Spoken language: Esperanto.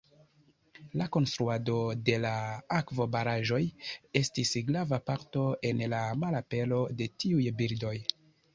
La konstruado de la akvobaraĵoj estis grava parto en la malapero de tiuj birdoj.